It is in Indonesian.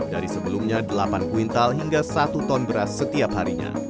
dari sebelumnya delapan kuintal hingga satu ton beras setiap harinya